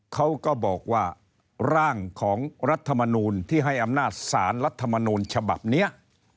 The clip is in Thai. เขาก็บอกว่าร่างของรัฐธรรมนุนที่ให้อำนาจศาลรัฐธรรมนุนฉบับเนี่ย